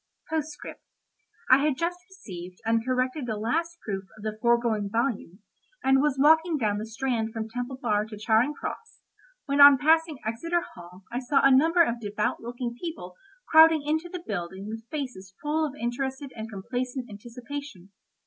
P.S.—I had just received and corrected the last proof of the foregoing volume, and was walking down the Strand from Temple Bar to Charing Cross, when on passing Exeter Hall I saw a number of devout looking people crowding into the building with faces full of interested and complacent anticipation.